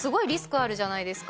あるじゃないですか。